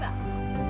ya ini dia